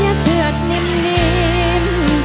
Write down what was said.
อย่าเฉิดนิ่ม